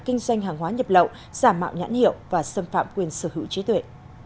kinh doanh hàng hóa nhập lậu giả mạo nhãn hiệu và xâm phạm quyền sở hữu trí tuệ